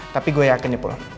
tapi gue yakin ya pol